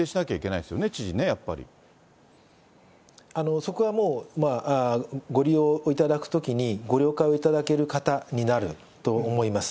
そこはもう、ご利用いただくときにご了解をいただける方になると思います。